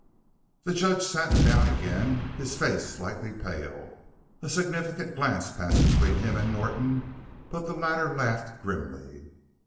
The judge sat down again, his face slightly pale. A significant glance passed between him and Norton, but the latter laughed grimly.